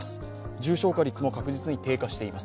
重症化率も確実に低下しています。